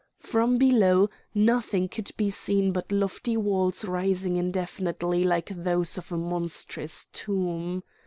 From below nothing could be seen but lofty walls rising indefinitely like those of a monstrous tomb.